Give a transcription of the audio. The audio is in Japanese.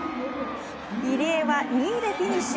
入江は２位でフィニッシュ。